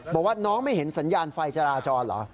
บอกว่าน้องไม่เห็นสัญญาณไฟจราจรเหรอ